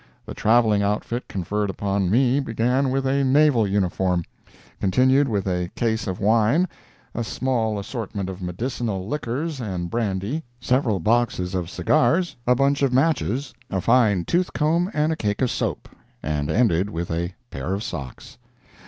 The traveling outfit conferred upon me began with a naval uniform, continued with a case of wine, a small assortment of medicinal liquors and brandy, several boxes of cigars, a bunch of matches, a fine tooth comb and a cake of soap, and ended with a pair of socks.